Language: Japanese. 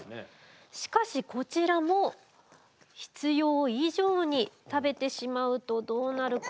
しかしこちらも必要以上に食べてしまうとどうなるか。